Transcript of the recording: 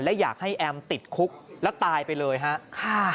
และอยากให้แอมติดคุกแล้วตายไปเลยครับ